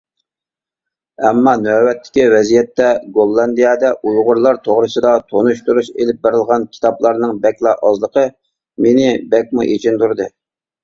ئەمما نۆۋەتتىكى ۋەزىيەتتە، گوللاندىيەدە ئۇيغۇرلار توغرىسىدا تونۇشتۇرۇش ئېلىپ بېرىلغان كىتابلارنىڭ بەكلا ئازلىقى مېنى بەكمۇ ئېچىندۇردى.